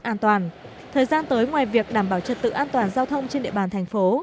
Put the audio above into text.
an toàn thời gian tới ngoài việc đảm bảo trật tự an toàn giao thông trên địa bàn thành phố